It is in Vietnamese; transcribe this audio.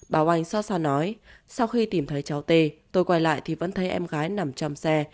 bảo anh so so nói sau khi tìm thấy cháu t tôi quay lại thì vẫn thấy em gái nằm trong xe